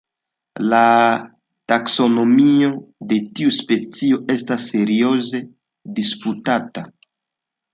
La taksonomio de tiu specio estas serioze disputata.